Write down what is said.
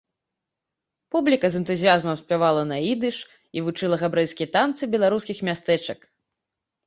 Публіка з энтузіязмам спявала на ідыш і вучыла габрэйскія танцы беларускіх мястэчак.